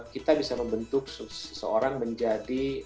kita bisa membentuk seseorang menjadi